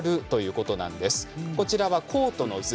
こちらはコートの図。